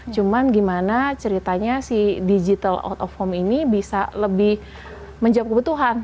cuman gimana ceritanya si digital out of home ini bisa lebih menjawab kebutuhan